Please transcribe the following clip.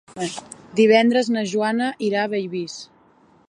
Divendres na Joana irà a Bellvís.